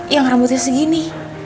yang rambutnya segini